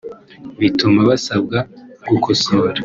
bituma basabwa gukosora